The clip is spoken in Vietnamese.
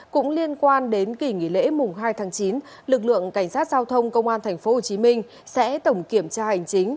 cũng liên quan đến kỳ nghỉ lễ mùng hai tháng chín lực lượng cảnh sát giao thông công an tp hcm sẽ tổng kiểm tra hành chính